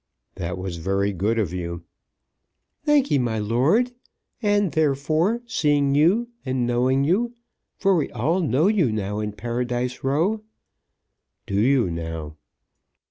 "That was very good of you." "Thank'ee, my lord. And, therefore, seeing you and knowing you, for we all know you now in Paradise Row " "Do you now?"